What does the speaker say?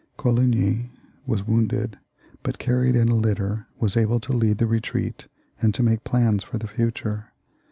Coligny was wounded, but, carried in a litter, was able to lead the retreat and to make plans for the future.